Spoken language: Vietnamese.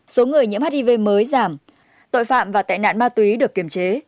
số người nhiễm hiv mới giảm tội phạm và tệ nạn ma túy được kiểm chế